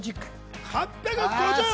８５０回。